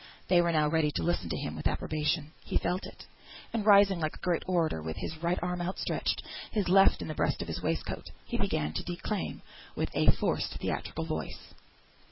They were now ready to listen to him with approbation. He felt it; and rising like a great orator, with his right arm outstretched, his left in the breast of his waistcoat, he began to declaim, with a forced theatrical voice.